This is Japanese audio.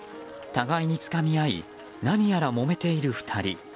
互いにつかみ合い何やらもめている２人。